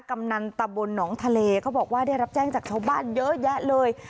กำนันตะบนหนองทะเลเขาบอกว่าได้รับแจ้งจากชาวบ้านเยอะแยะเลย